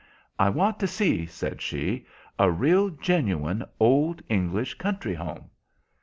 "I want to see," said she, "a real, genuine, old English country home."